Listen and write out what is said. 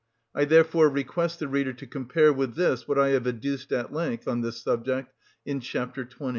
I therefore request the reader to compare with this what I have adduced at length on this subject in chapter 20.